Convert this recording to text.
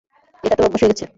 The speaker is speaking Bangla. এটা তোর অভ্যাস হয়ে গেছে।